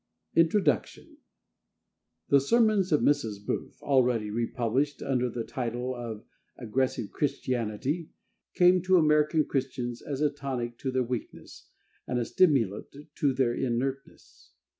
INTRODUCTION. The sermons of Mrs. Booth already re published under the title of "Aggressive Christianity," came to American Christians as a tonic to their weakness, and a stimulant to their inertness.